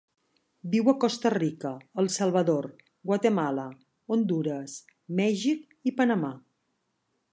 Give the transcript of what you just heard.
Viu a Costa Rica, El Salvador, Guatemala, Hondures, Mèxic i Panamà.